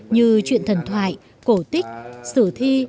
như chuyện thần thoại cổ tích sử thi